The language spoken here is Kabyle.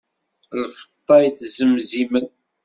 Lfeṭṭa ittzemzimen.